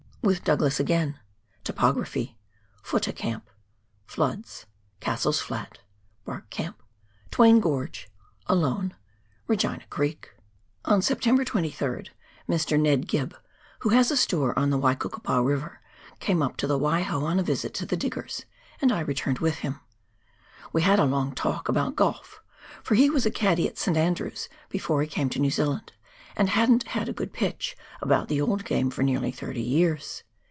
With Douglas again — Topography —" Futtah " Camp — Floods — Cassell's Flat — Bark Camp — Twain Gorge — 'Alone — E«gina Creek, On September 23rd, Mr. Ned Gibb, wbo has a store on the Waikukupa River, came up to the Waiho on a visit to the dig gers, and I returned with him. We had a long talk about golf, for he was a caddie at St. Andrew's before he came to New Zealand, and " hadn't had a good * pitch ' about the old game for nearly thirty years."